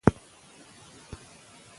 یوني سیسټم د ناروغانو لپاره خوندي دی.